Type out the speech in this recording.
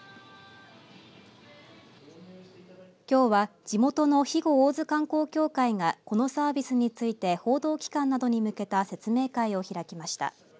きょうは地元の肥後おおづ観光協会がこのサービスについて報道機関などに向けた説明会を開きました。